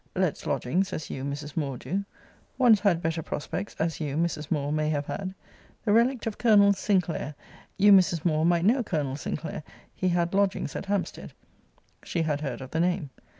Lets lodgings, as you, Mrs. Moore, do. Once had better prospects as you, Mrs. Moore, may have had: the relict of Colonel Sinclair; you, Mrs. Moore, might know Colonel Sinclair he had lodgings at Hampstead.' She had heard of the name.